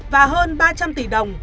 và hơn ba trăm linh tỷ đồng